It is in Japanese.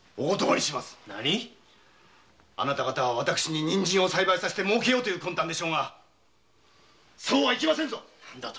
あなた方は私に人参を栽培させてもうける魂胆でしょうがそうはいきませんぞ